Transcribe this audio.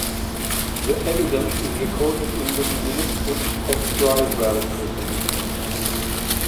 The evidence is recorded in the Minute Books of Bridewell prison.